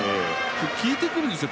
効いてくるんですよ